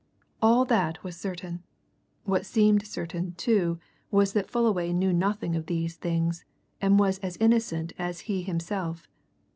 All that was certain what seemed certain, too, was that Fullaway knew nothing of these things, and was as innocent as he himself.